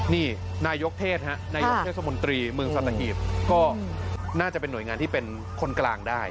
นี่นายกเทศฮะนายกเทศมนตรีเมืองสัตหีบก็น่าจะเป็นหน่วยงานที่เป็นคนกลางได้